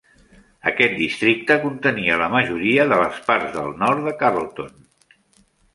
Aquest districte contenia la majoria de les parts del nord de Carleton.